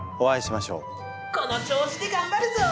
この調子で頑張るぞ！